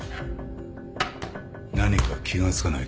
何か気が付かないか？